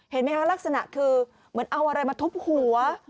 เห็นไหมคะลักษณะคือเหมือนเอาอะไรมาทุบหัว